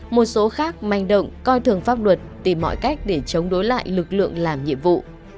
một số khác manh động coi thường pháp luật tìm mọi cách để chống đối lại lực lượng làm nhiệm vụ